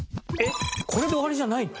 これで終わりじゃないの？